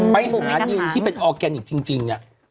ไปหาดินที่เป็นออร์แกนิคจริง